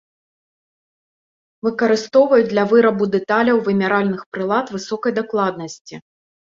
Выкарыстоўваюць для вырабу дэталяў вымяральных прылад высокай дакладнасці.